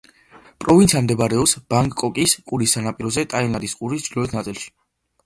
პროვინცია მდებარეობს ბანგკოკის ყურის სანაპიროზე, ტაილანდის ყურის ჩრდილოეთ ნაწილში.